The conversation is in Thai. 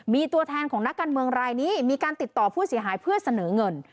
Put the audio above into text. มีตัวแทนของนักการเมืองรายนี้มีการติดต่อผู้เสียหายเพื่อเสนอเงิน